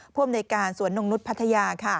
พ่วนในการสวนนกนุษย์พัทยา